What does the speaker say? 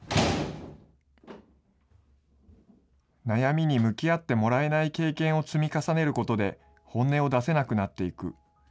悩みに向き合ってもらえない経験を積み重ねることで、本音を出せなくなっていく。